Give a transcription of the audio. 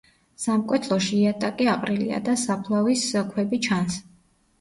სამკვეთლოში იატაკი აყრილია და საფლავის ქვები ჩანს.